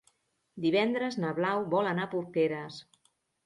Divendres na Blau vol anar a Porqueres.